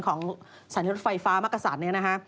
ของสถานีรถไฟฟ้ามักกษัตริย์เนี่ยนะฮะ